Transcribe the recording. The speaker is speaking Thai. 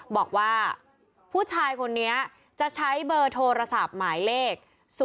บอกว่าผู้ชายคนนี้จะใช้เบอร์โทรศัพท์หมายเลข๐๒